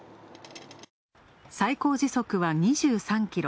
最高時速は２３キロ。